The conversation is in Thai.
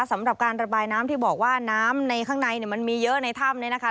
สำหรับการระบายน้ำที่บอกว่าน้ำในข้างในมันมีเยอะในถ้ำเนี่ยนะคะ